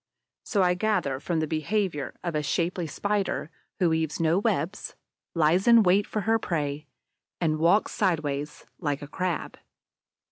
So I gather from the behavior of a shapely Spider who weaves no webs, lies in wait for her prey, and walks sideways, like a Crab.